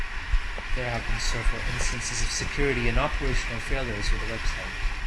There have been several instances of security or operational failures with the website.